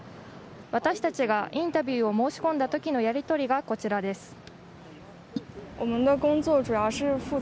私たちがインタビューを申し込んだときのやりとりがこちらです。